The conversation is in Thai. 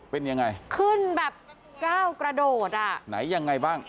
เป็นยังไงขึ้นแบบก้าวกระโดดอ่ะไหนยังไงบ้าง